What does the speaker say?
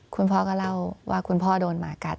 คุณพ่อก็เล่าว่าคุณพ่อโดนหมากัด